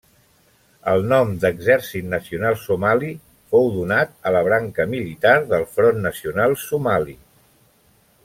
El nom d'Exèrcit Nacional Somali fou donat a la branca militar del Front Nacional Somali.